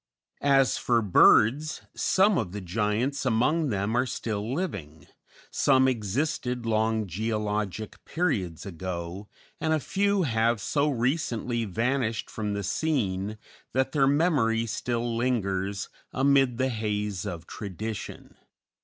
As for birds, some of the giants among them are still living, some existed long geologic periods ago, and a few have so recently vanished from the scene that their memory still lingers amid the haze of tradition.